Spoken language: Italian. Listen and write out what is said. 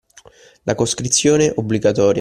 La coscrizione obbligatoria